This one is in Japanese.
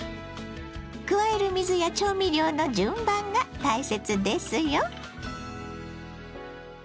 加える水や調味料の順番が大切ですよ。